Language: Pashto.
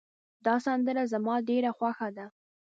دا سندره زما ډېره خوښه ده